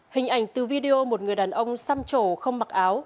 hình ảnh từ video một người đàn ông xăm trổ không mặc áo